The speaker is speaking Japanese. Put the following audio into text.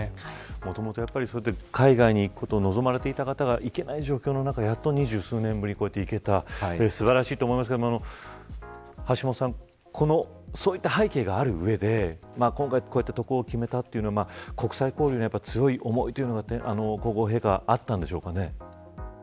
もともと海外に行くことを望まれていた方が行けない状況の中やっと２０数年ぶりに行けた素晴らしいと思いますが橋本さんそういった背景がある上で今回こうやって渡航を決めたというのは国際交流への強い思いが皇后陛下はあったのでしょうかね。